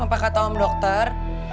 apa kata om dokter